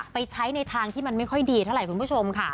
ไปใช้ในทางที่มันไม่ค่อยดีเท่าไหร่คุณผู้ชมค่ะ